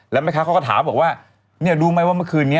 แล้วแม่ค้าเขาก็ถามบอกว่าเนี่ยรู้ไหมว่าเมื่อคืนนี้